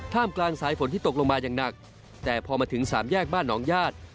กลางสายฝนที่ตกลงมาอย่างหนักแต่พอมาถึงสามแยกบ้านหนองญาติ